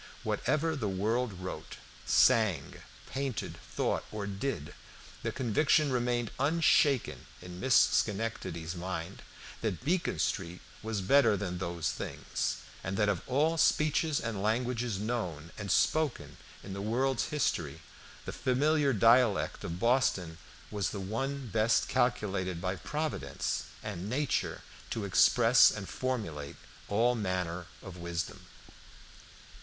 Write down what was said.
Whatever the world wrote, sang, painted, thought, or did, the conviction remained unshaken in Miss Schenectady's mind that Beacon Street was better than those things, and that of all speeches and languages known and spoken in the world's history, the familiar dialect of Boston was the one best calculated by Providence and nature to express and formulate all manner of wisdom.